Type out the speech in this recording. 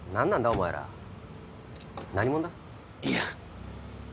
お前ら何者だ？いや。